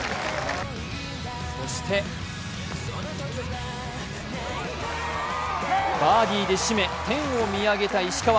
そしてバーディーで締め天を見上げた石川。